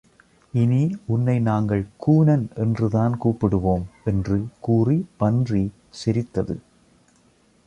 இனி, உன்னை நாங்கள் கூனன் என்று தான் கூப்பிடுவோம். என்று கூறி பன்றி சிரித்தது.